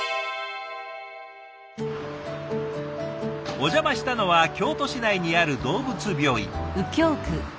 お邪魔したのは京都市内にある動物病院。